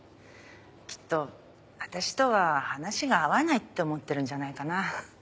きっと私とは話が合わないって思ってるんじゃないかな。